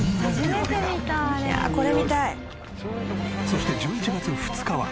そして１１月２日は。